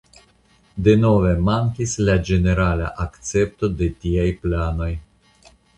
Denove mankis la ĝenerala akcepto de tiaj planoj.